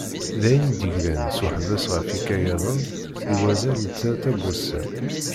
Dayen i d-yeglan s uḥbas ɣef yikayaden i wazal n tlata n wussan.